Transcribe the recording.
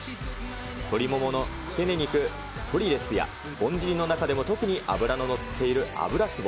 鶏ももの付け根肉、ソリレスや、ぼんじりの中でも特に脂の乗っている油壷。